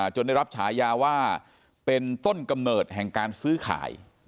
ได้รับฉายาว่าเป็นต้นกำเนิดแห่งการซื้อขาย